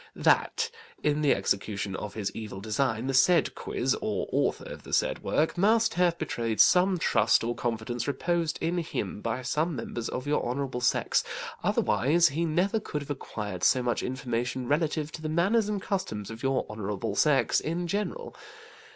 THAT in the execution of his evil design, the said Quiz, or author of the said work, must have betrayed some trust or confidence reposed in him by some members of your Honourable sex, otherwise he never could have acquired so much information relative to the manners and customs of your Honourable sex in general.